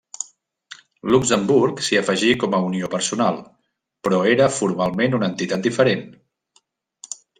Luxemburg s'hi afegí com a unió personal, però era formalment una entitat diferent.